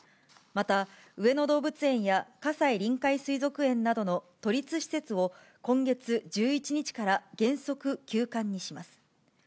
また、上野動物園や葛西臨海水族園などの都立施設を今月１１日から、原則、休館にします。